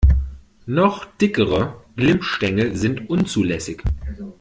Noch dickere Glimmstängel sind unzulässig.